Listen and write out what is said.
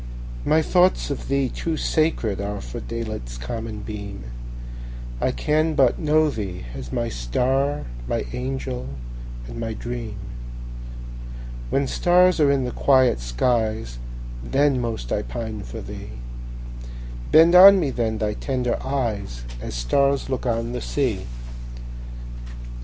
My thoughts of thee too sacred areFor daylight's common beam:I can but know thee as my star, My angel and my dream; When stars are in the quiet skies, Then most I pine for thee; Bend on me then thy tender eyes, As stars look on the sea!